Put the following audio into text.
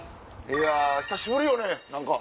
いや久しぶりよね何か。